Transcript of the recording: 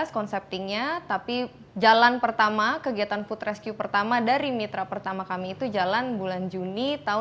konseptingnya tapi jalan pertama kegiatan food rescue pertama dari mitra pertama kami itu jalan bulan juni tahun dua ribu dua